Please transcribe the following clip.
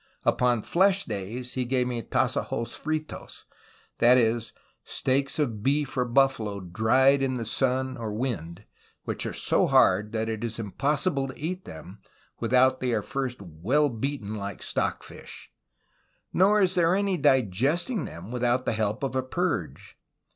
Upon flesh days he gave me Tassajos FritoSy that is, steaks of beef or buffalo, dry'd in the sun or wind, which are so hard that it is impossible to eat them, without they are first well beaten like stock fish; nor is there any digesting them without the help of a purge.